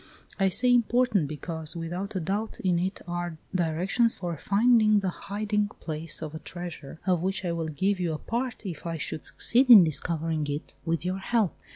I say important, because without a doubt in it are directions for finding the hiding place of a TREASURE, of which I will give you a part if I should succeed in discovering it with your help.